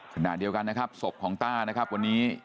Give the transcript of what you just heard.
ขณะเดียวกันนะครับศพของต้านะครับวันนี้